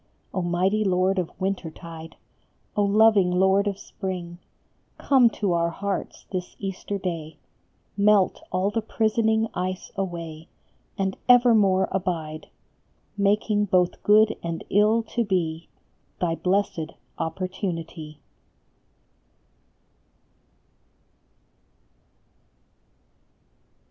Oh, mighty Lord of winter tide ! Oh, loving Lord of spring ! Come to our hearts this Easter Day, Melt all the prisoning ice away, And evermore abide, Making both good and ill to be Thy blessed opportunity.